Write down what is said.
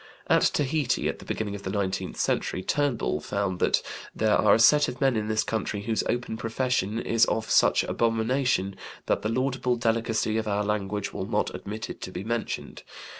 At Tahiti at the beginning of the nineteenth century, Turnbull found that "there are a set of men in this country whose open profession is of such abomination that the laudable delicacy of our language will not admit it to be mentioned.